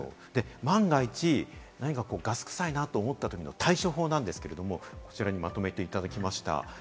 万が一、ガスくさいなと思ったときの対処法なんですけれども、こちらにまとめていただきました。